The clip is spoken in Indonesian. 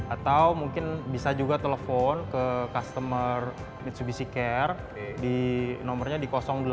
atau mungkin bisa juga telepon ke customer mitsubishi care di nomornya di delapan ratus empat seribu tiga ratus tiga ratus